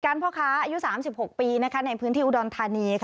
พ่อค้าอายุ๓๖ปีในพื้นที่อุดรธานี